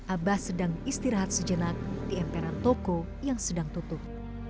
abah sedang istirahat sejenak di emperan toko yang sedang tutup